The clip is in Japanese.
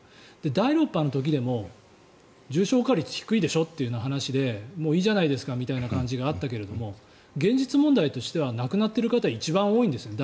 第６波の時でも重症化率低いでしょうという話でもういいじゃないですかみたいな感じがあったけど現実問題としては亡くなっている方が一番多いんですね。